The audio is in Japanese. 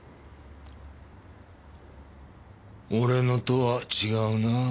俺のとは違うなぁ。